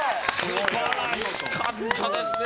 素晴らしかったですね。